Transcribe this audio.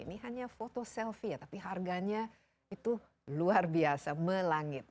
ini hanya foto selfie ya tapi harganya itu luar biasa melangit